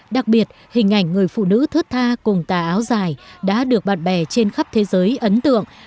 đặc biệt hình ảnh người phụ nữ thớt tha cùng tà áo dài đã được bạn bè trên khắp thế giới ấn tượng